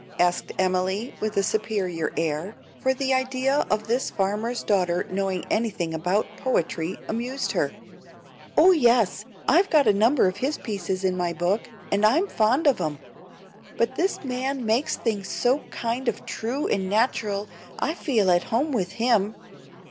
asked Emily, with a superior air, for the idea of this farmer's daughter knowing anything about poetry amused her. "Oh yes, I've got a number of his pieces in my book, and I'm fond of 'em. But this man makes things so kind of true and natural I feel at home with HIM.